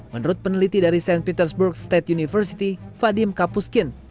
menurut peneliti dari st petersburg state university fadim kapuskin